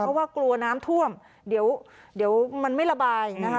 เพราะว่ากลัวน้ำท่วมเดี๋ยวมันไม่ระบายนะคะ